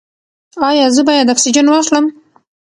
ایا زه باید اکسیجن واخلم؟